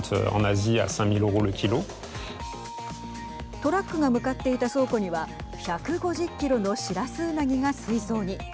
トラックが向かっていた倉庫には１５０キロのシラスウナギが水槽に。